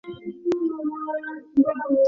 কথা ছিল প্রতি মাসে দুই বার করে ছাপাবে।